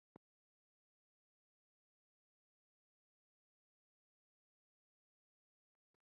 বাজারের ভেতরে মাছ বাজার, কসাই দোকান এবং বার রয়েছে।